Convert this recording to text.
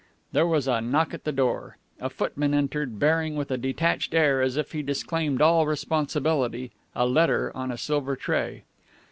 There was a knock at the door. A footman entered, bearing, with a detached air, as if he disclaimed all responsibility, a letter on a silver tray.